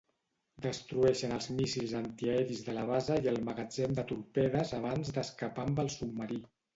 Destrueixen els míssils antiaeris de la base i el magatzem de torpedes abans d'escapar amb el submarí.